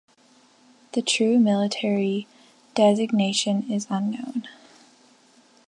The true military designation is unknown.